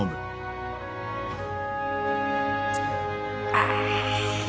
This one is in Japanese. ああ！